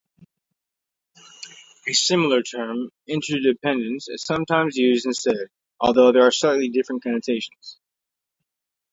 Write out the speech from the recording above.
A similar term, interdependence, is sometimes used instead, although there are slightly different connotations.